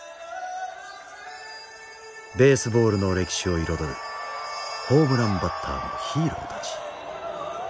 ベースボールの歴史を彩るホームランバッターのヒーローたち。